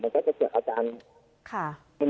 คือจะเหมือนจะไม่อยากหายใจ